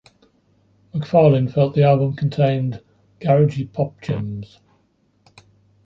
McFarlane felt the album contained "garagey pop gems".